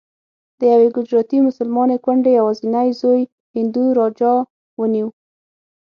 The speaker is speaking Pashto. د یوې ګجراتي مسلمانې کونډې یوازینی زوی هندو راجا ونیو.